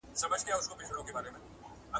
د ورور په وینو او له بدیو `